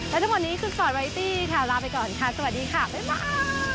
และทั้งหมดนี้คือสวัสดีครับลาไปก่อนค่ะสวัสดีค่ะบ๊ายบาย